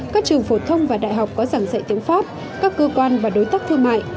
các trường phổ thông và đại học có giảng dạy tiếng pháp các cơ quan và đối tác thương mại